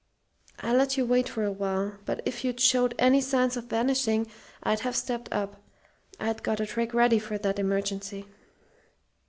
I let you wait for a while, but if you'd showed any signs of vanishing I'd have stepped up. I'd got a trick ready for that emergency.